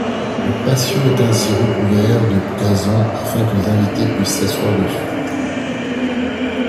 Le patio est ainsi recouvert de gazons afin que les invités puissent s'asseoir dessus.